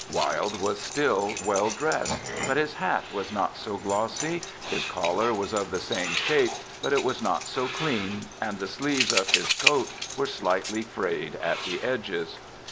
Wilde was still well dressed, but his hat was not so glossy; his collar was of the same shape, but it was not so clean, and the sleeves of his coat were slightly frayed at the edges.